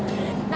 jadi ini tuh